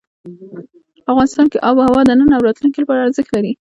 افغانستان کې آب وهوا د نن او راتلونکي لپاره ارزښت لري.